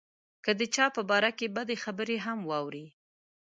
که د چا په باره کې بدې خبرې هم واوري.